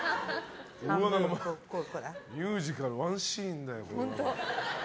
ミュージカルのワンシーンだよ。